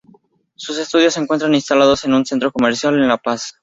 Sus estudios se encuentran instalados en un centro comercial, en La Paz.